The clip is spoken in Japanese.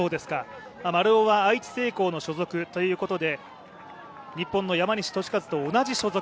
丸尾は愛知製鋼所属ということで、日本の山西利和と同じ所属。